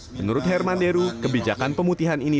menurut herman deru kebijakan pemutihan ini